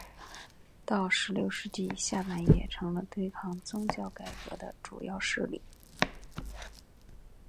到十六世纪下半叶成了对抗宗教改革的主要势力。